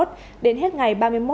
đến hết ngày ba mươi một tháng ba năm